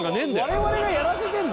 我々がやらせてるの？